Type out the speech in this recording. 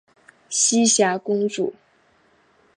栖霞公主。